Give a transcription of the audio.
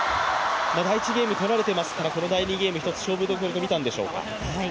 第１ゲーム、取られていますからこの第２ゲームは一つ、勝負どころとみたんでしょうか。